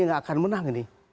yang akan menang ini